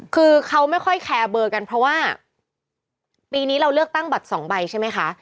คือเขาไม่ค่อยแคร์เบอร์กันเพราะว่าปีนี้เราเลือกตั้งบัตรสองใบใช่ไหมคะ